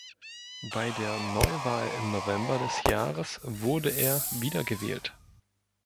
Bei der Neuwahl im November des Jahres wurde er wiedergewählt.